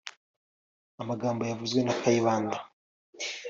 ” amagambo yavuzwe na Kayibanda